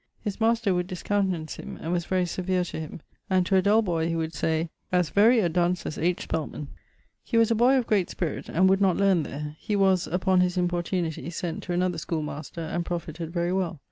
His master would discountenance him, and was very severe to him, and to a dull boy he would say as very a dunce as H. Spelman. He was a boy of great spirit, and would not learne there. He was (upon his importunity) sent another schoolmaster, and profited very well.